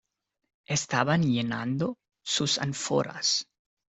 estaban llenando sus ánforas.